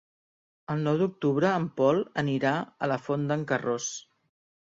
El nou d'octubre en Pol anirà a la Font d'en Carròs.